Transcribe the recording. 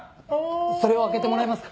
それを開けてもらえますか？